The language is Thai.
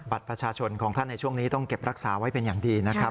บัตรประชาชนของท่านในช่วงนี้ต้องเก็บรักษาไว้เป็นอย่างดีนะครับ